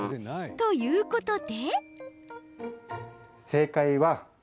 ということで。